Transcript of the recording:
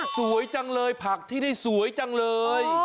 สวยจังเลยผักที่นี่สวยจังเลย